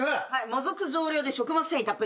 「もずく増量で食物繊維たっぷり」